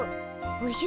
おじゃ？